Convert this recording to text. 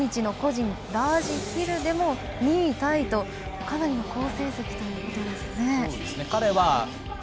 そして１５日の個人ラージヒルでも２位タイとかなりの好成績ということですね。